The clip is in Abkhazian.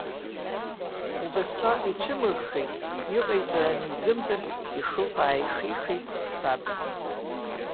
Убасҟак ицәымыӷхеит, иҟаиҵара анизымдыр, ихылԥа ааихихит саб.